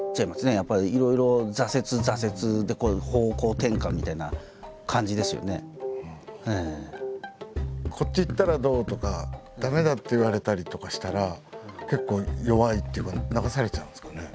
やっぱりいろいろ「こっちいったらどう？」とか「駄目だ」って言われたりとかしたら結構弱いっていうか流されちゃうんですかね。